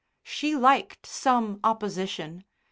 She liked some opposition.